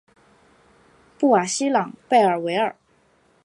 布瓦西朗贝尔维尔。